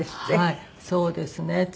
はいそうですね。